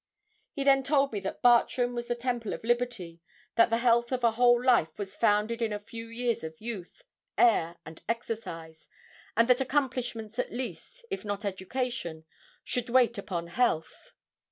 He then told me that Bartram was the temple of liberty, that the health of a whole life was founded in a few years of youth, air, and exercise, and that accomplishments, at least, if not education, should wait upon health.